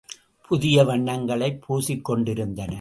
புதிய வண்ணங்களைப் பூசிக் கொண்டிருந்தன.